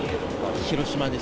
広島です。